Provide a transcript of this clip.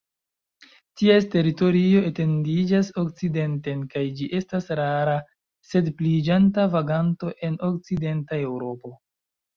Ties teritorio etendiĝas okcidenten, kaj ĝi estas rara sed pliiĝanta vaganto en okcidenta Eŭropo.